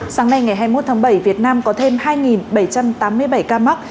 sáng nay ngày hai mươi một tháng bảy việt nam có thêm hai bảy trăm tám mươi bảy ca mắc